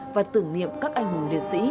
và tưởng niệm các anh hùng liệt sĩ